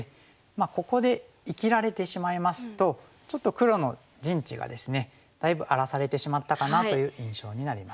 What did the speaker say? ここで生きられてしまいますとちょっと黒の陣地がですねだいぶ荒らされてしまったかなという印象になります。